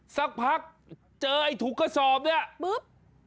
สักพักเจอไอ้ถุกสอบเนี่ย